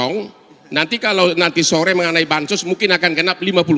nanti kalau nanti sore mengenai bansos mungkin akan genap lima puluh